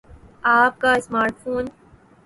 آپ کا smart phone